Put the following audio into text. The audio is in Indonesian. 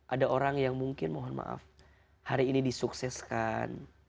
ada orang yang mungkin mohon maaf hari ini disukseskan